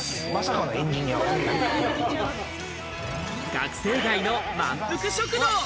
学生街のまんぷく食堂！